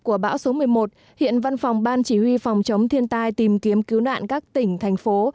của bão số một mươi một hiện văn phòng ban chỉ huy phòng chống thiên tai tìm kiếm cứu nạn các tỉnh thành phố